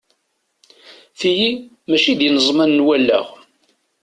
Tiyi mačči d ineẓman n wallaɣ.